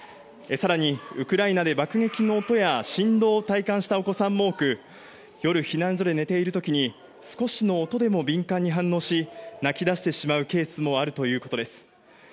更に、ウクライナで爆撃の音や振動を体感したお子さんも多く夜、避難所で寝ている時に少しの音でも敏感に反応し泣き出してしまうケースもあるということです。